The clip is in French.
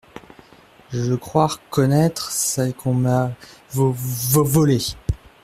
Je crois reconnaître celle qu'on m'a vo … vo … volée !